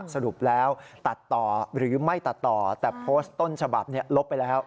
สรุปแล้วตัดต่อหรือไม่ตัดต่อแต่โพสต์ต้นฉบับลบไปแล้ว